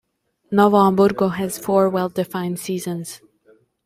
Novo Hamburgo has four well defined seasons.